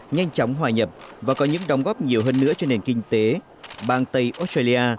nhanh chóng hòa nhập và có những đóng góp nhiều hơn nữa cho nền kinh tế bang tây australia